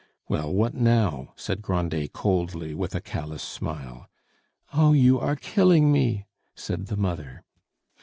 "Well, what now?" said Grandet coldly, with a callous smile. "Oh, you are killing me!" said the mother.